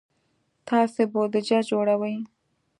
تاسو بودیجه جوړوئ؟